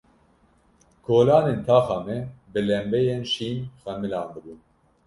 Kolanên taxa me bi lembeyên şîn xemilandibûn.